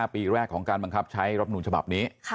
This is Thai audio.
ปีแรกของการบังคับใช้รับนูลฉบับนี้